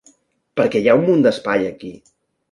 Per què hi ha un munt d'espai aquí.